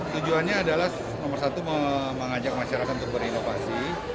tujuannya adalah nomor satu mengajak masyarakat untuk berinovasi